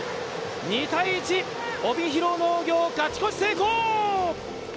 ２対１、帯広農業、勝ち越し成功！